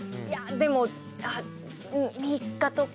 でも３日とか。